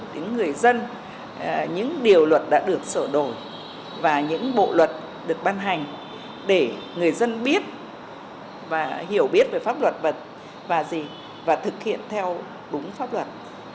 những người dân những điều luật đã được sửa đổi và những bộ luật được ban hành để người dân biết và hiểu biết về pháp luật và gì và thực hiện theo đúng pháp luật